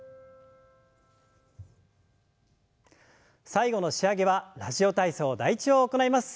最後の仕上げは「ラジオ体操第１」を行います。